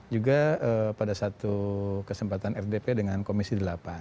juga pada satu kesempatan rdp dengan komisi delapan